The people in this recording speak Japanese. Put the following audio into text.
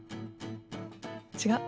違う？